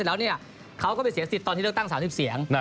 แล้วเขาก็ไปเสียสิทธิ์ตอนที่เลือกตั้ง๓๐เสียง